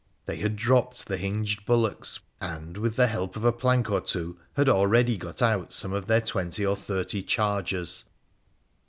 They had dropped the hinged bulwarks, and, with the help of a plank or two, had already . got out some of their twenty or thirty chargers.